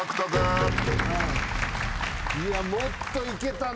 いやもっといけたな。